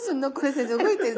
先生。